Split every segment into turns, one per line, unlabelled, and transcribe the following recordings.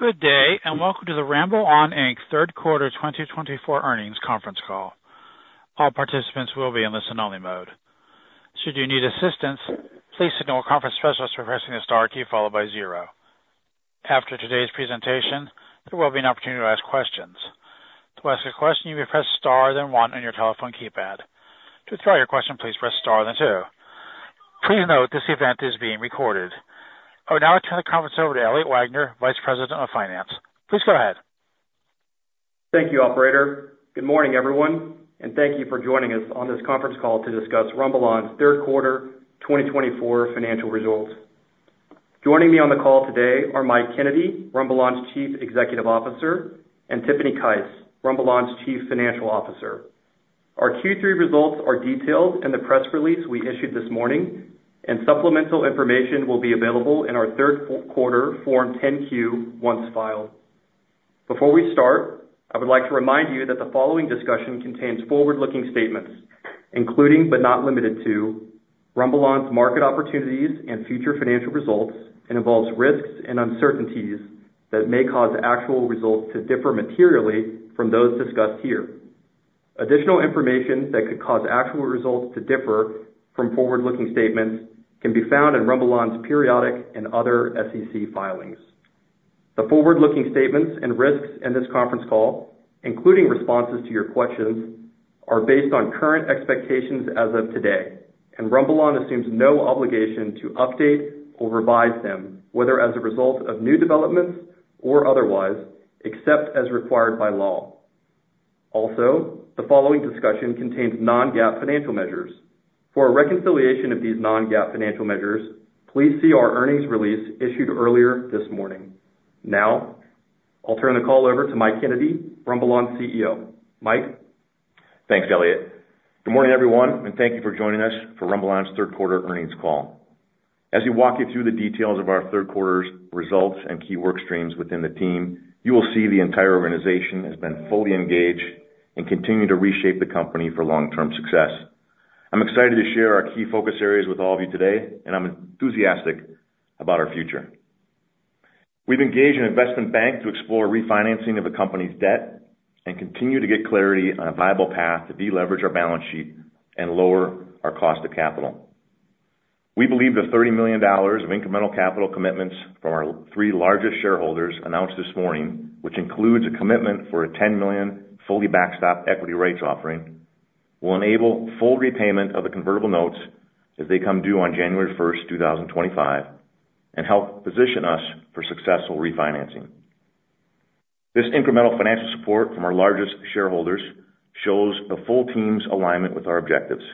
Good day, and welcome to the RumbleOn, Inc. Third Quarter 2024 Earnings Conference Call. All participants will be in listen-only mode. Should you need assistance, please contact the conference specialist by pressing the star key followed by zero. After today's presentation, there will be an opportunity to ask questions. To ask a question, you may press star then one on your telephone keypad. To withdraw your question, please press star then two. Please note this event is being recorded. I will now turn the conference over to Elliot Wagner, Vice President of Finance. Please go ahead.
Thank you, Operator. Good morning, everyone, and thank you for joining us on this conference call to discuss RumbleOn's Third Quarter 2024 financial results. Joining me on the call today are Mike Kennedy, RumbleOn's Chief Executive Officer, and Tiffany Kice, RumbleOn's Chief Financial Officer. Our Q3 results are detailed in the press release we issued this morning, and supplemental information will be available in our Third Quarter Form 10-Q once filed. Before we start, I would like to remind you that the following discussion contains forward-looking statements, including but not limited to RumbleOn's market opportunities and future financial results, and involves risks and uncertainties that may cause actual results to differ materially from those discussed here. Additional information that could cause actual results to differ from forward-looking statements can be found in RumbleOn's periodic and other SEC filings. The forward-looking statements and risks in this conference call, including responses to your questions, are based on current expectations as of today, and RumbleOn assumes no obligation to update or revise them, whether as a result of new developments or otherwise, except as required by law. Also, the following discussion contains non-GAAP financial measures. For a reconciliation of these non-GAAP financial measures, please see our earnings release issued earlier this morning. Now, I'll turn the call over to Mike Kennedy, RumbleOn's CEO. Mike.
Thanks, Elliot. Good morning, everyone, and thank you for joining us for RumbleOn's Third Quarter earnings call. As we walk you through the details of our Third Quarter's results and key work streams within the team, you will see the entire organization has been fully engaged and continuing to reshape the company for long-term success. I'm excited to share our key focus areas with all of you today, and I'm enthusiastic about our future. We've engaged an investment bank to explore refinancing of the company's debt and continue to get clarity on a viable path to deleverage our balance sheet and lower our cost of capital. We believe the $30 million of incremental capital commitments from our three largest shareholders announced this morning, which includes a commitment for a $10 million fully backstopped equity rights offering, will enable full repayment of the convertible notes as they come due on January 1st, 2025, and help position us for successful refinancing. This incremental financial support from our largest shareholders shows the full team's alignment with our objectives.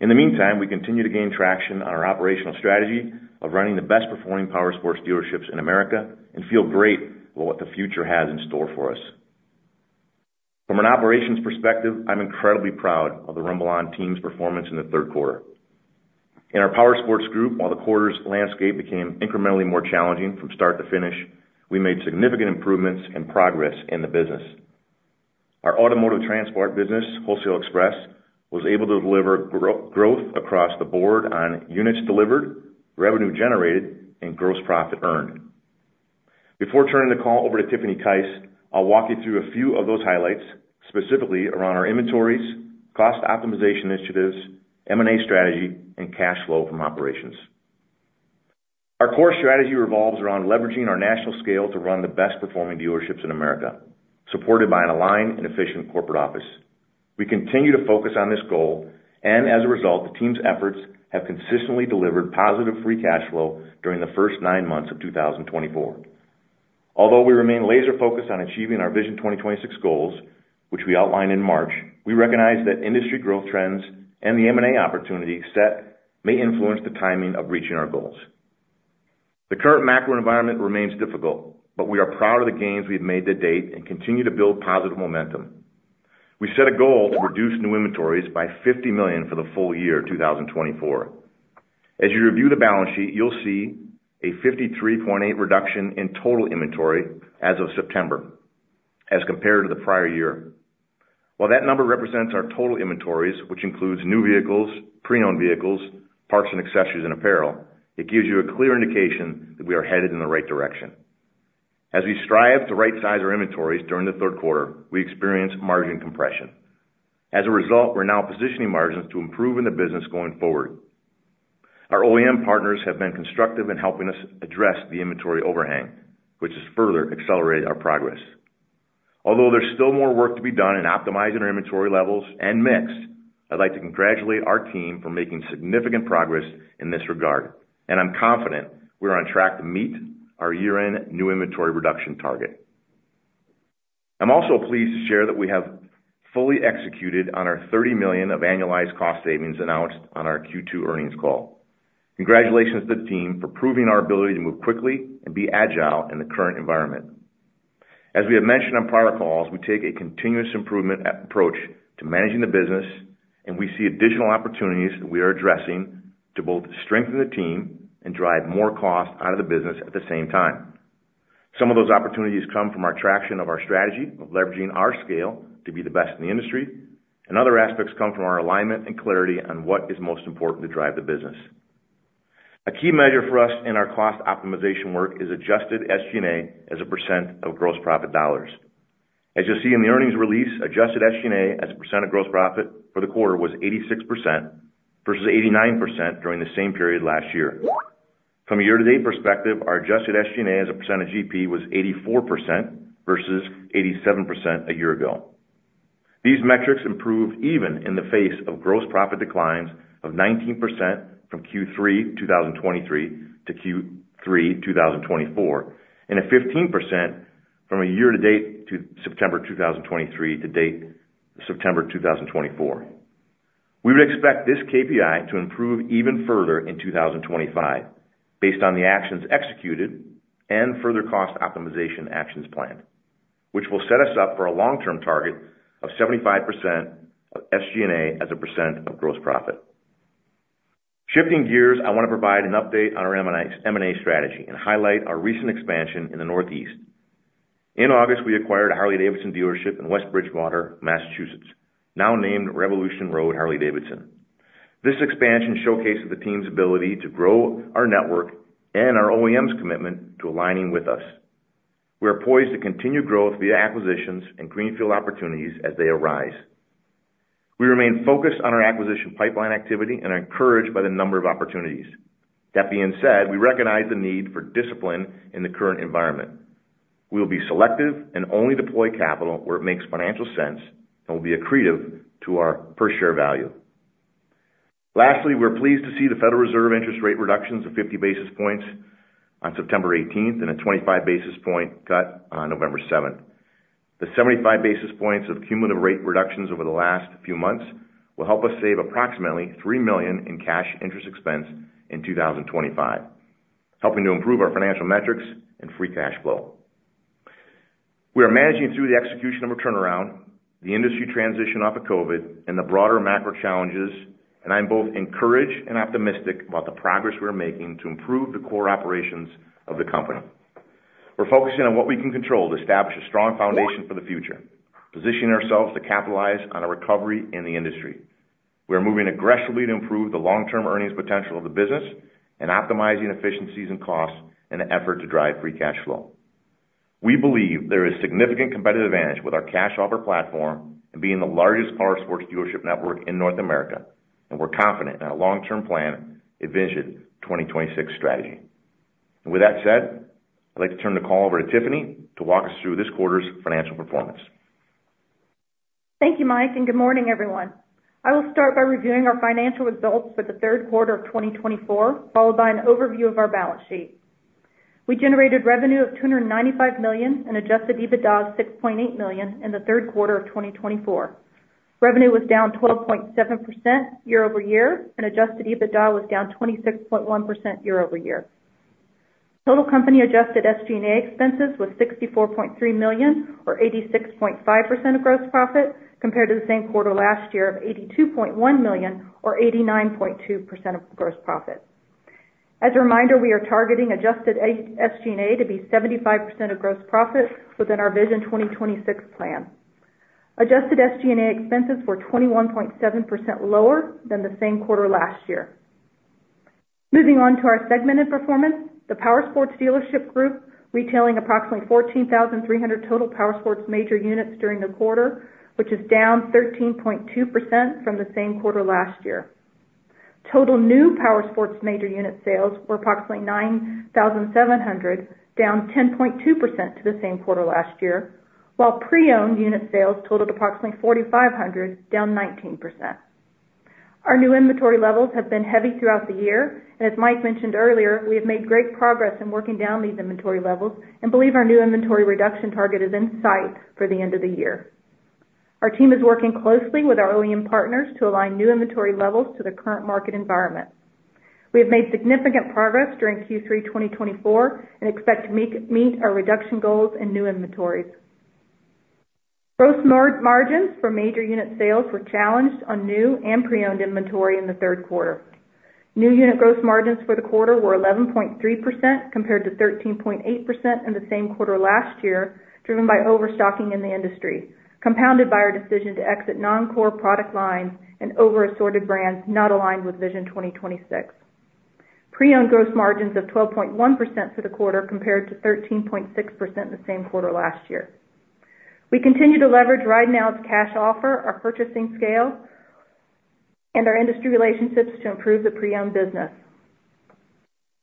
In the meantime, we continue to gain traction on our operational strategy of running the best-performing power sports dealerships in America and feel great about what the future has in store for us. From an operations perspective, I'm incredibly proud of the RumbleOn team's performance in the Third Quarter. In our power sports group, while the quarter's landscape became incrementally more challenging from start to finish, we made significant improvements and progress in the business. Our automotive transport business, Wholesale Express, was able to deliver growth across the board on units delivered, revenue generated, and gross profit earned. Before turning the call over to Tiffany Kice, I'll walk you through a few of those highlights, specifically around our inventories, cost optimization initiatives, M&A strategy, and cash flow from operations. Our core strategy revolves around leveraging our national scale to run the best-performing dealerships in America, supported by an aligned and efficient corporate office. We continue to focus on this goal, and as a result, the team's efforts have consistently delivered positive free cash flow during the first nine months of 2024. Although we remain laser-focused on achieving our Vision 2026 goals, which we outlined in March, we recognize that industry growth trends and the M&A opportunity set may influence the timing of reaching our goals. The current macro environment remains difficult, but we are proud of the gains we've made to date and continue to build positive momentum. We set a goal to reduce new inventories by $50 million for the full year 2024. As you review the balance sheet, you'll see a $53.8 reduction in total inventory as of September, as compared to the prior year. While that number represents our total inventories, which includes new vehicles, pre-owned vehicles, parts, and accessories and apparel, it gives you a clear indication that we are headed in the right direction. As we strive to right-size our inventories during the Third Quarter, we experience margin compression. As a result, we're now positioning margins to improve in the business going forward. Our OEM partners have been constructive in helping us address the inventory overhang, which has further accelerated our progress. Although there's still more work to be done in optimizing our inventory levels and mix, I'd like to congratulate our team for making significant progress in this regard, and I'm confident we're on track to meet our year-end new inventory reduction target. I'm also pleased to share that we have fully executed on our $30 million of annualized cost savings announced on our Q2 earnings call. Congratulations to the team for proving our ability to move quickly and be agile in the current environment. As we have mentioned on prior calls, we take a continuous improvement approach to managing the business, and we see additional opportunities that we are addressing to both strengthen the team and drive more cost out of the business at the same time. Some of those opportunities come from our traction of our strategy of leveraging our scale to be the best in the industry, and other aspects come from our alignment and clarity on what is most important to drive the business. A key measure for us in our cost optimization work is Adjusted SG&A as a percent of gross profit dollars. As you'll see in the earnings release, Adjusted SG&A as a percent of gross profit for the quarter was 86% versus 89% during the same period last year. From a year-to-date perspective, our Adjusted SG&A as a percent of GP was 84% versus 87% a year ago. These metrics improved even in the face of gross profit declines of 19% from Q3 2023 to Q3 2024 and a 15% from a year-to-date to September 2023 to date September 2024. We would expect this KPI to improve even further in 2025 based on the actions executed and further cost optimization actions planned, which will set us up for a long-term target of 75% of SG&A as a % of gross profit. Shifting gears, I want to provide an update on our M&A strategy and highlight our recent expansion in the Northeast. In August, we acquired Harley-Davidson dealership in West Bridgewater, Massachusetts, now named Revolution Road Harley-Davidson. This expansion showcases the team's ability to grow our network and our OEM's commitment to aligning with us. We are poised to continue growth via acquisitions and greenfield opportunities as they arise. We remain focused on our acquisition pipeline activity and are encouraged by the number of opportunities. That being said, we recognize the need for discipline in the current environment. We will be selective and only deploy capital where it makes financial sense and will be accretive to our per-share value. Lastly, we're pleased to see the Federal Reserve interest rate reductions of 50 basis points on September 18th and a 25 basis point cut on November 7th. The 75 basis points of cumulative rate reductions over the last few months will help us save approximately $3 million in cash interest expense in 2025, helping to improve our financial metrics and free cash flow. We are managing through the execution of a turnaround, the industry transition off of COVID, and the broader macro challenges, and I'm both encouraged and optimistic about the progress we're making to improve the core operations of the company. We're focusing on what we can control to establish a strong foundation for the future, positioning ourselves to capitalize on a recovery in the industry. We are moving aggressively to improve the long-term earnings potential of the business and optimizing efficiencies and costs in an effort to drive free cash flow. We believe there is significant competitive advantage with our Cash Offer platform and being the largest powersports dealership network in North America, and we're confident in our long-term plan Vision 2026 strategy. With that said, I'd like to turn the call over to Tiffany to walk us through this quarter's financial performance.
Thank you, Mike, and good morning, everyone. I will start by reviewing our financial results for the third quarter of 2024, followed by an overview of our balance sheet. We generated revenue of $295 million and Adjusted EBITDA of $6.8 million in the third quarter of 2024. Revenue was down 12.7% year-over-year, and Adjusted EBITDA was down 26.1% year-over-year. Total company Adjusted SG&A expenses was $64.3 million, or 86.5% of gross profit, compared to the same quarter last year of $82.1 million, or 89.2% of gross profit. As a reminder, we are targeting Adjusted SG&A to be 75% of gross profit within our Vision 2026 plan. Adjusted SG&A expenses were 21.7% lower than the same quarter last year. Moving on to our segmented performance, the powersports dealership group retailing approximately 14,300 total powersports major units during the quarter, which is down 13.2% from the same quarter last year. Total new powersports major unit sales were approximately 9,700, down 10.2% to the same quarter last year, while pre-owned unit sales totaled approximately 4,500, down 19%. Our new inventory levels have been heavy throughout the year, and as Mike mentioned earlier, we have made great progress in working down these inventory levels and believe our new inventory reduction target is in sight for the end of the year. Our team is working closely with our OEM partners to align new inventory levels to the current market environment. We have made significant progress during Q3 2024 and expect to meet our reduction goals in new inventories. Gross margins for major unit sales were challenged on new and pre-owned inventory in the third quarter. New unit gross margins for the quarter were 11.3% compared to 13.8% in the same quarter last year, driven by overstocking in the industry, compounded by our decision to exit non-core product lines and over-assorted brands not aligned with Vision 2026. Pre-owned gross margins of 12.1% for the quarter compared to 13.6% in the same quarter last year. We continue to leverage RideNow's Cash Offer, our purchasing scale, and our industry relationships to improve the pre-owned business.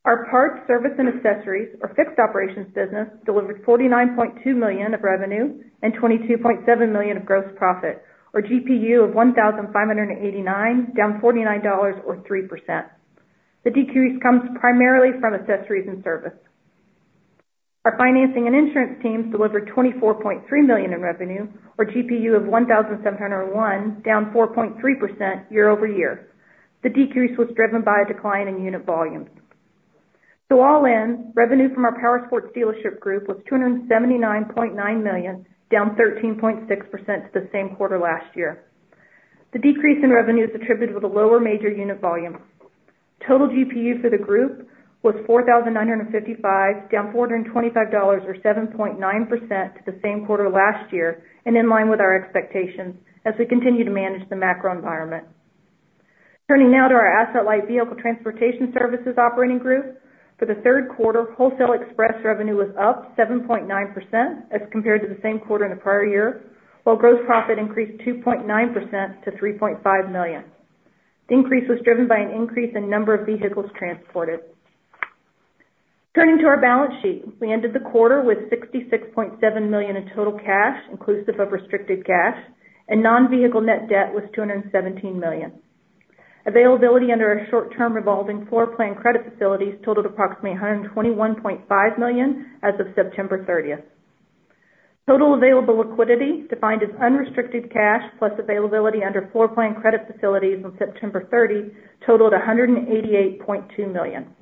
Our parts, service, and accessories, or fixed operations business, delivered $49.2 million of revenue and $22.7 million of gross profit, or GPU of $1,589, down 49.03%. The decrease comes primarily from accessories and service. Our financing and insurance teams delivered $24.3 million in revenue, or GPU of $1,701, down 4.3% year-over-year. The decrease was driven by a decline in unit volumes. All in, revenue from our powersports dealership group was $279.9 million, down 13.6% to the same quarter last year. The decrease in revenue is attributed to the lower major unit volume. Total GPU for the group was $4,955, down $425.00, or 7.9% to the same quarter last year, and in line with our expectations as we continue to manage the macro environment. Turning now to our asset-light vehicle transportation services operating group, for the third quarter, Wholesale Express revenue was up 7.9% as compared to the same quarter in the prior year, while gross profit increased 2.9% to $3.5 million. The increase was driven by an increase in number of vehicles transported. Turning to our balance sheet, we ended the quarter with $66.7 million in total cash, inclusive of restricted cash, and non-vehicle net debt was $217 million. Availability under our short-term revolving floor plan credit facilities totaled approximately $121.5 million as of September 30th. Total available liquidity, defined as unrestricted cash plus availability under floor plan credit facilities on September 30, totaled $188.2 million.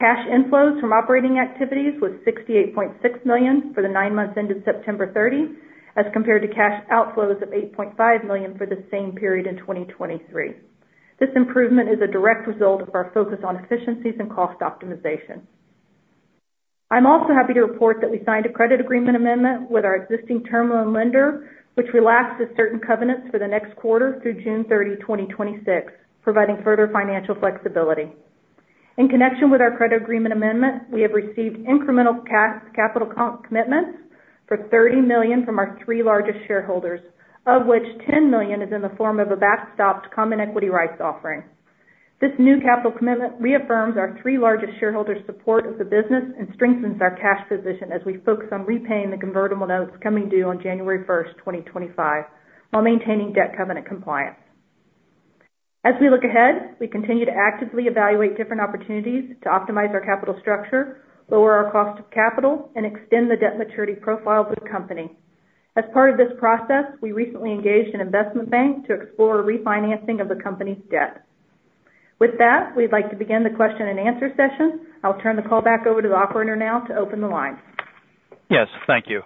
Cash inflows from operating activities was $68.6 million for the nine months ended September 30 as compared to cash outflows of $8.5 million for the same period in 2023. This improvement is a direct result of our focus on efficiencies and cost optimization. I'm also happy to report that we signed a credit agreement amendment with our existing term loan lender, which relaxes certain covenants for the next quarter through June 30, 2026, providing further financial flexibility. In connection with our credit agreement amendment, we have received incremental capital commitments for $30 million from our three largest shareholders, of which $10 million is in the form of a backstopped common equity rights offering. This new capital commitment reaffirms our three largest shareholders' support of the business and strengthens our cash position as we focus on repaying the convertible notes coming due on January 1st, 2025, while maintaining debt covenant compliance. As we look ahead, we continue to actively evaluate different opportunities to optimize our capital structure, lower our cost of capital, and extend the debt maturity profile of the company. As part of this process, we recently engaged an investment bank to explore refinancing of the company's debt. With that, we'd like to begin the question and answer session. I'll turn the call back over to the operator now to open the line.
Yes, thank you.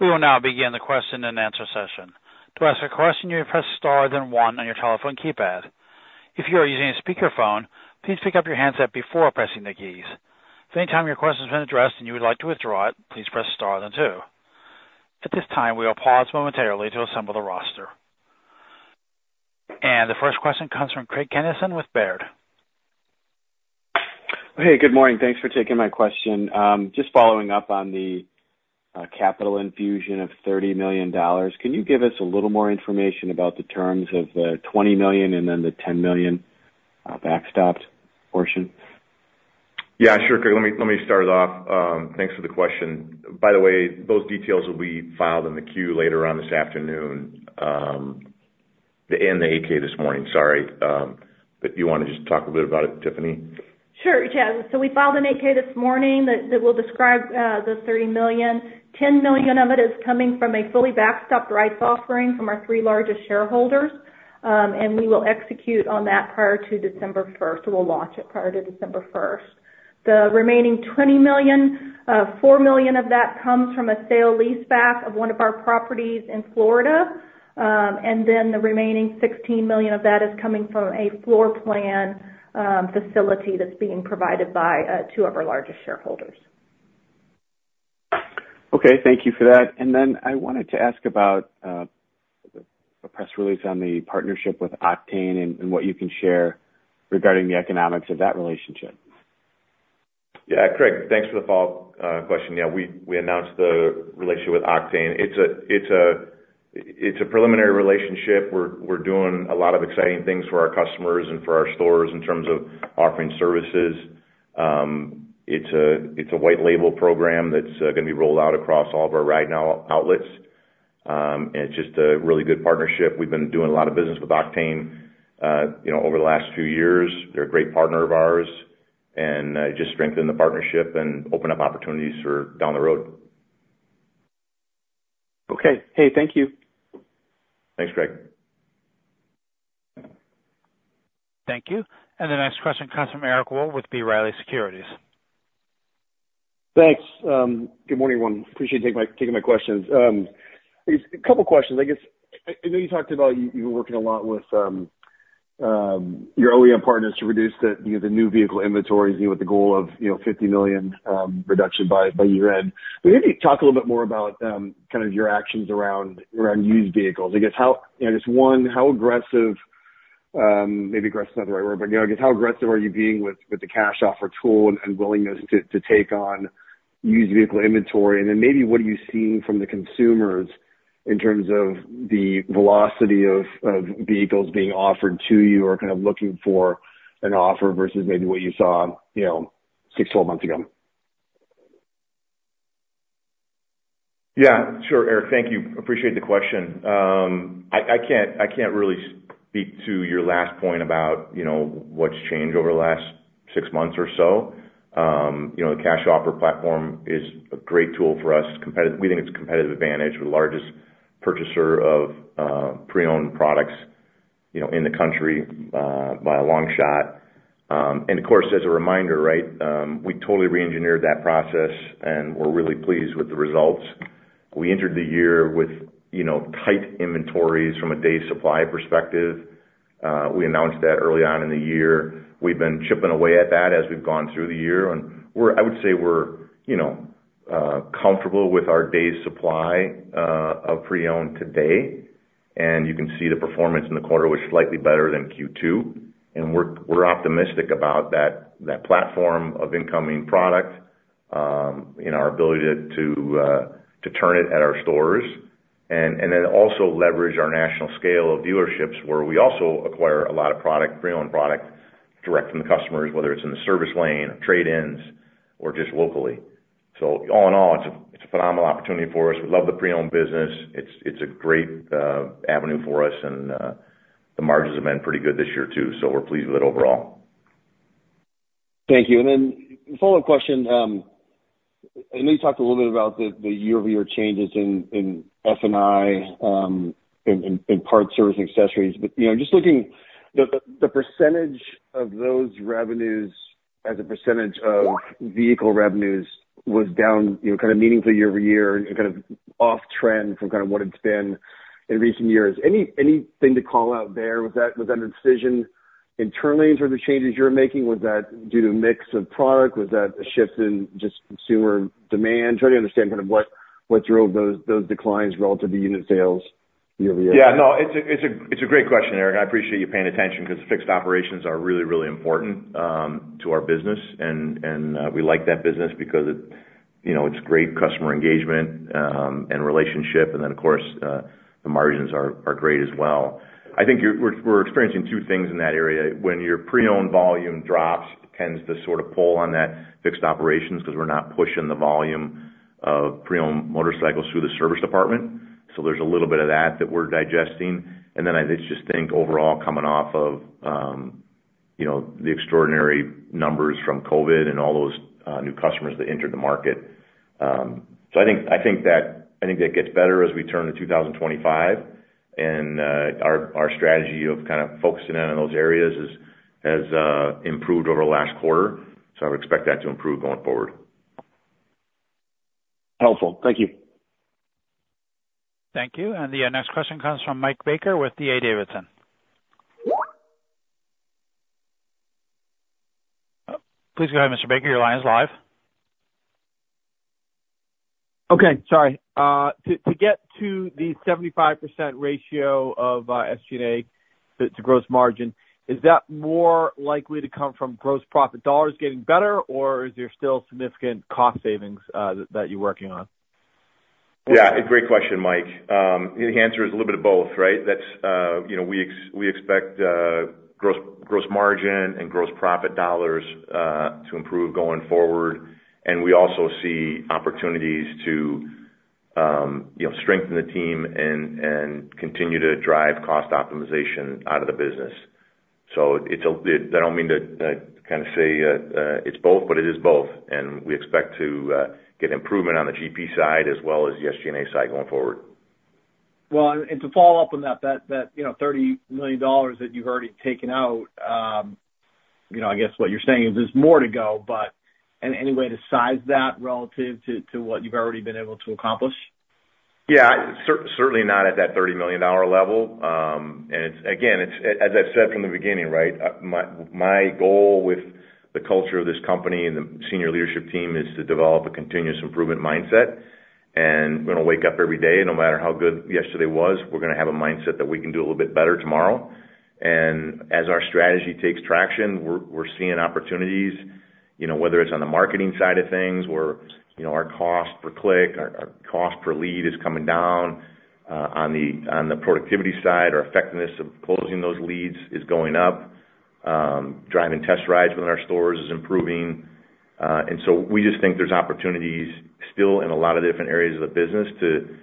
We will now begin the question and answer session. To ask a question, you may press star then one on your telephone keypad. If you are using a speakerphone, please pick up your handset before pressing the keys. If any time your question has been addressed and you would like to withdraw it, please press star then two. At this time, we will pause momentarily to assemble the roster. And the first question comes from Craig Kennison with Baird.
Hey, good morning. Thanks for taking my question. Just following up on the capital infusion of $30 million, can you give us a little more information about the terms of the $20 million and then the $10 million backstopped portion?
Yeah, sure, Craig. Let me start it off. Thanks for the question. By the way, those details will be filed in the 10-Q later on this afternoon and the 8-K this morning. Sorry, but you want to just talk a little bit about it, Tiffany?
Sure. Yeah. So we filed an 8-K this morning that will describe the $30 million. $10 million of it is coming from a fully backstopped rights offering from our three largest shareholders, and we will execute on that prior to December 1st. So we'll launch it prior to December 1st. The remaining $20 million, $4 million of that comes from a sale-leaseback of one of our properties in Florida, and then the remaining $16 million of that is coming from a floor plan facility that's being provided by two of our largest shareholders.
Okay, thank you for that. And then I wanted to ask about a press release on the partnership with Octane and what you can share regarding the economics of that relationship?
Yeah, Craig, thanks for the follow-up question. Yeah, we announced the relationship with Octane. It's a preliminary relationship. We're doing a lot of exciting things for our customers and for our stores in terms of offering services. It's a white-label program that's going to be rolled out across all of our RideNow outlets. And it's just a really good partnership. We've been doing a lot of business with Octane over the last few years. They're a great partner of ours, and just strengthen the partnership and open up opportunities for down the road.
Okay. Hey, thank you.
Thanks, Craig.
Thank you. And the next question comes from Eric Wold with B. Riley Securities.
Thanks. Good morning, everyone. Appreciate taking my questions. A couple of questions. I know you talked about you've been working a lot with your OEM partners to reduce the new vehicle inventories with the goal of $50 million reduction by year-end. But maybe talk a little bit more about kind of your actions around used vehicles. I guess, one, how aggressive, maybe aggressive is not the right word, but I guess how aggressive are you being with the cash offer tool and willingness to take on used vehicle inventory? And then maybe what are you seeing from the consumers in terms of the velocity of vehicles being offered to you or kind of looking for an offer versus maybe what you saw six, twelve months ago?
Yeah, sure, Eric. Thank you. Appreciate the question. I can't really speak to your last point about what's changed over the last six months or so. The cash offer platform is a great tool for us. We think it's a competitive advantage. We're the largest purchaser of pre-owned products in the country by a long shot. And of course, as a reminder, right, we totally re-engineered that process, and we're really pleased with the results. We entered the year with tight inventories from a day's supply perspective. We announced that early on in the year. We've been chipping away at that as we've gone through the year. And I would say we're comfortable with our day's supply of pre-owned today. And you can see the performance in the quarter was slightly better than Q2. And we're optimistic about that platform of incoming product and our ability to turn it at our stores. And then also leverage our national scale of dealerships where we also acquire a lot of pre-owned product direct from the customers, whether it's in the service lane, trade-ins, or just locally. So all in all, it's a phenomenal opportunity for us. We love the pre-owned business. It's a great avenue for us. And the margins have been pretty good this year too, so we're pleased with it overall.
Thank you. And then follow-up question. I know you talked a little bit about the year-over-year changes in F&I and parts, service, and accessories, but just looking at the percentage of those revenues as a percentage of vehicle revenues was down kind of meaningfully year-over-year and kind of off-trend from kind of what it's been in recent years. Anything to call out there? Was that a decision internally in terms of changes you're making? Was that due to a mix of product? Was that a shift in just consumer demand? Trying to understand kind of what drove those declines relative to unit sales year-over-year?
Yeah, no, it's a great question, Eric. And I appreciate you paying attention because fixed operations are really, really important to our business. And we like that business because it's great customer engagement and relationship. And then, of course, the margins are great as well. I think we're experiencing two things in that area. When your pre-owned volume drops, it tends to sort of pull on that fixed operations because we're not pushing the volume of pre-owned motorcycles through the service department. So there's a little bit of that that we're digesting. And then I just think, overall, coming off of the extraordinary numbers from COVID and all those new customers that entered the market. So I think that gets better as we turn to 2025. And our strategy of kind of focusing in on those areas has improved over the last quarter. So I would expect that to improve going forward.
Helpful. Thank you.
Thank you. And the next question comes from Mike Baker with D.A. Davidson. Please go ahead, Mr. Baker. Your line is live.
Okay. Sorry. To get to the 75% ratio of SG&A, the gross margin, is that more likely to come from gross profit dollars getting better, or is there still significant cost savings that you're working on?
Yeah, great question, Mike. The answer is a little bit of both, right? We expect gross margin and gross profit dollars to improve going forward. And we also see opportunities to strengthen the team and continue to drive cost optimization out of the business. So I don't mean to kind of say it's both, but it is both. And we expect to get improvement on the GP side as well as the SG&A side going forward.
And to follow up on that, that $30 million that you've already taken out, I guess what you're saying is there's more to go, but any way to size that relative to what you've already been able to accomplish?
Yeah, certainly not at that $30 million level, and again, as I said from the beginning, right, my goal with the culture of this company and the senior leadership team is to develop a continuous improvement mindset, and we're going to wake up every day, no matter how good yesterday was, we're going to have a mindset that we can do a little bit better tomorrow, and as our strategy takes traction, we're seeing opportunities, whether it's on the marketing side of things where our cost per click, our cost per lead is coming down, on the productivity side, our effectiveness of closing those leads is going up, driving test rides within our stores is improving, and so we just think there's opportunities still in a lot of different areas of the business to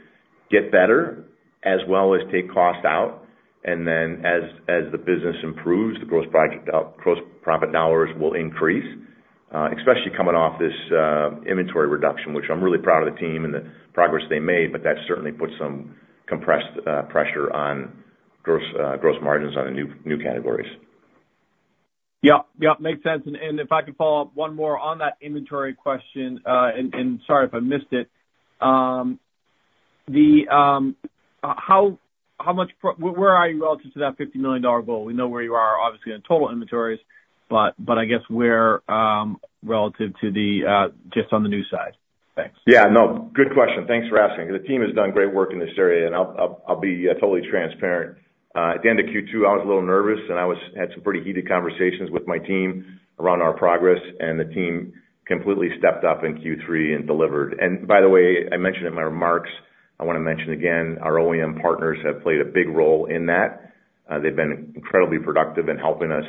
get better as well as take cost out. And then as the business improves, the gross profit dollars will increase, especially coming off this inventory reduction, which I'm really proud of the team and the progress they made, but that certainly puts some compressed pressure on gross margins on the new categories.
Yep, yep. Makes sense. And if I could follow up one more on that inventory question, and sorry if I missed it. Where are you relative to that $50 million goal? We know where you are, obviously, in total inventories, but I guess where relative to just on the new side? Thanks.
Yeah, no, good question. Thanks for asking. The team has done great work in this area, and I'll be totally transparent. At the end of Q2, I was a little nervous, and I had some pretty heated conversations with my team around our progress, and the team completely stepped up in Q3 and delivered. And by the way, I mentioned in my remarks, I want to mention again, our OEM partners have played a big role in that. They've been incredibly productive in helping us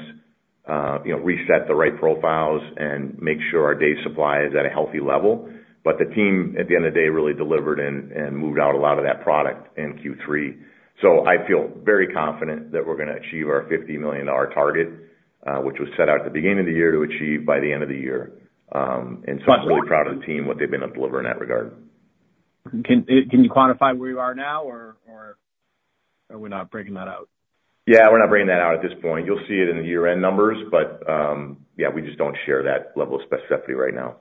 reset the right profiles and make sure our day's supply is at a healthy level. But the team, at the end of the day, really delivered and moved out a lot of that product in Q3. I feel very confident that we're going to achieve our $50 million target, which was set out at the beginning of the year to achieve by the end of the year. I'm really proud of the team, what they've been able to deliver in that regard.
Can you quantify where you are now, or are we not breaking that out?
Yeah, we're not breaking that out at this point. You'll see it in the year-end numbers, but yeah, we just don't share that level of specificity right now.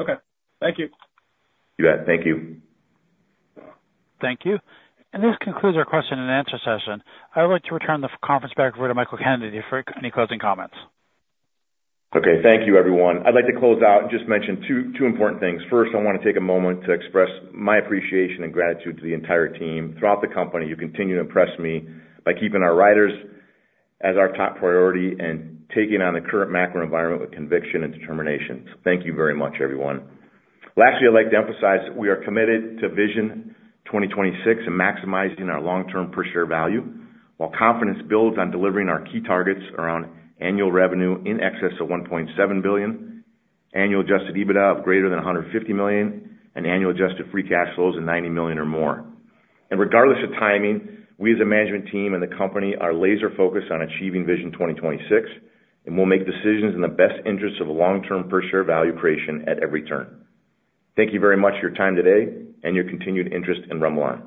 Okay. Thank you.
You bet. Thank you.
Thank you. And this concludes our question and answer session. I would like to return the conference back over to Michael Kennedy for any closing comments.
Okay. Thank you, everyone. I'd like to close out and just mention two important things. First, I want to take a moment to express my appreciation and gratitude to the entire team. Throughout the company, you continue to impress me by keeping our riders as our top priority and taking on the current macro environment with conviction and determination. So thank you very much, everyone. Lastly, I'd like to emphasize we are committed to Vision 2026 and maximizing our long-term per-share value while confidence builds on delivering our key targets around annual revenue in excess of $1.7 billion, annual adjusted EBITDA of greater than $150 million, and annual adjusted free cash flows of $90 million or more. And regardless of timing, we as a management team and the company are laser-focused on achieving Vision 2026, and we'll make decisions in the best interests of long-term per-share value creation at every turn. Thank you very much for your time today and your continued interest in RumbleOn.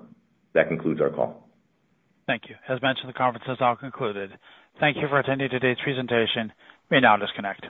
That concludes our call.
Thank you. As mentioned, the conference is now concluded. Thank you for attending today's presentation. We now disconnect.